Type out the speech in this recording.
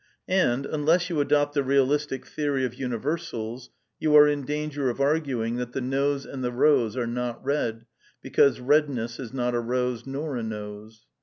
And, unless you adopt the realistio''* j^ theory of universals, you are in danger of arguing that the nose and the rose are not red, because redness is not a rose nor a nose.